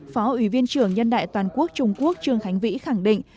phó ủy viên trưởng nhân đại toàn quốc trung quốc trương khánh vĩ khẳng định